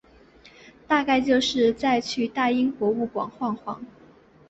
大概就是再去大英博物馆晃晃